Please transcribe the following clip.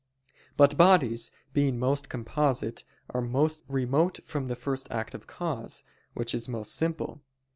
But bodies, being most composite, are most remote from the first active cause, which is most simple.